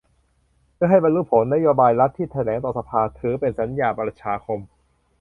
เพื่อให้บรรลุผล นโยบายรัฐที่แถลงต่อสภา ถือเป็นสัญญาประชาคม